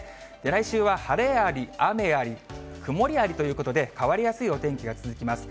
来週は晴れあり、雨あり、曇りありということで、変わりやすいお天気が続きます。